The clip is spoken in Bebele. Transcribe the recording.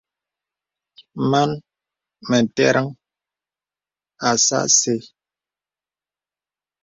Mān mə tə̀rən asà asə́.